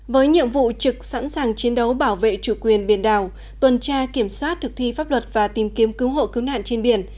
với nhiệm vụ trực sẵn sàng chiến đấu bảo vệ chủ quyền biển đảo tuần tra kiểm soát thực thi pháp luật và tìm kiếm cứu hộ cứu nạn trên biển